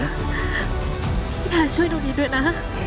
พี่แทนช่วยหนูนิดด้วยนะ